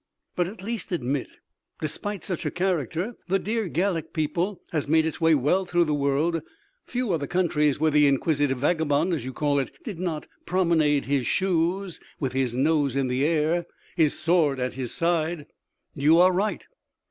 "But at least admit, despite such a character, the dear Gallic people has made its way well through the world. Few are the countries where the inquisitive vagabond, as you call it, did not promenade his shoes, with his nose in the air, his sword at his side " "You are right.